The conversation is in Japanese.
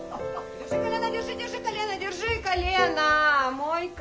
もう一回。